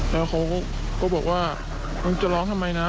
แล้วเขาก็บอกว่ามึงจะร้องทำไมนะ